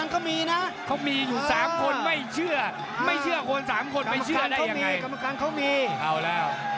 ต้องดูเกมต้องดูเกมนะครับ